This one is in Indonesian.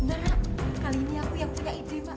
nara kali ini aku yang kejaya itu mak